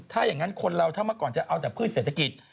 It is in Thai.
ถ้าอย่างนั้นคนเราถ้าเมื่อก่อนจะเอาแต่พืชเศรษฐกิจ